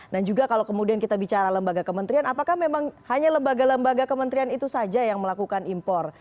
dan juga kalau kemudian kita bicara lembaga kementerian apakah memang hanya lembaga lembaga kementerian itu saja yang melakukan impor